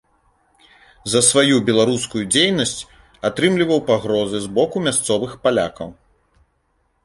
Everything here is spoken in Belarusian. За сваю беларускую дзейнасць атрымліваў пагрозы з боку мясцовых палякаў.